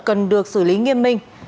cần được xử lý nghiêm minh